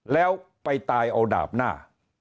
แล้วไปตายเอาดาบหน้า